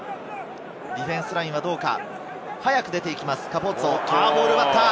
ディフェンスラインはどうか？